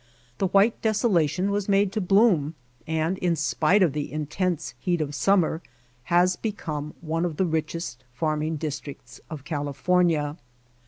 The white desolation was made to bloom and, in spite of the intense heat of summer, has become one of the richest farming districts of California.